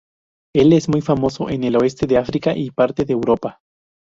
Él es muy famoso en el oeste de África y parte de Europa.